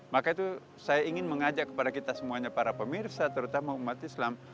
maka itu saya ingin mengajak kepada kita semuanya para pemirsa terutama umat islam